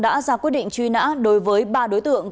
đã ra quyết định truy nã đối với ba đối tượng